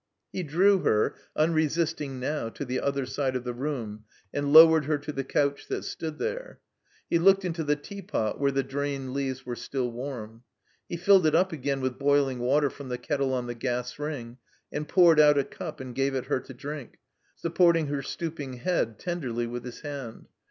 He drew her (unresisting now) to the other side of the room and lowered her to the couch that stood there. He looked into the teapot, where the drained leaves were still warm. He filled it up again with boiling water from the kettle on the gas ring, and poured out a cup and gave it her to drink, supporting her stooping head tenderly with his hand.